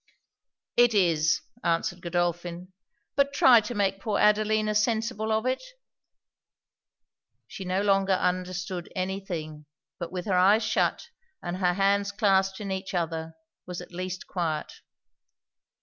'It is,' answered Godolphin; 'but try to make poor Adelina sensible of it.' She no longer understood any thing; but with her eyes shut, and her hands clasped in each other, was at least quiet.